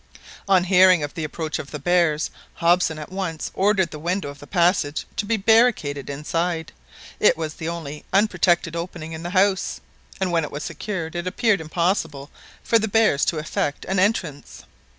On hearing of the approach of the bears, Hobson at once ordered the window of the passage to be barricaded inside; it was the only unprotected opening in the house, and when it was secured it appeared impossible for the bears to effect an entrance.